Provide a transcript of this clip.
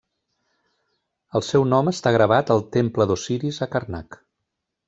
El seu nom està gravat al temple d'Osiris a Karnak.